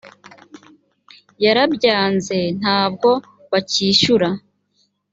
yarabyanze ntabwo bakishyura.